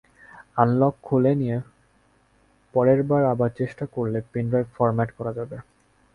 Unlock খুলে নিয়ে পরেরবার আবার চেষ্টা করলে পেনড্রাইভ ফরম্যাট করা যাবে।